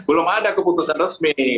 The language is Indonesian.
belum ada keputusan resmi